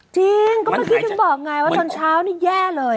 จริงก็เมื่อกี้ถึงบอกไงว่าตอนเช้านี่แย่เลย